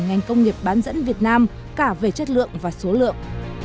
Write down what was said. ngành công nghiệp bán dẫn việt nam cả về chất lượng và số lượng